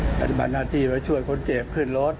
เลยไปปฏิบัติหน้าที่เหลือช่วยคนเจ็บขึ้นรถ